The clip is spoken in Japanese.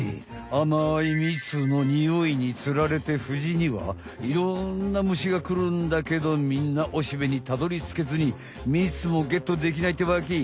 あまいみつのにおいにつられてフジにはいろんな虫がくるんだけどみんなオシベにたどりつけずにみつもゲットできないってわけ。